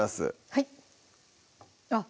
はいあっ